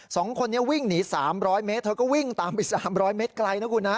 สองคนนี้วิ่งหนี๓๐๐เมตรเธอก็วิ่งตามไป๓๐๐เมตรไกลนะคุณฮะ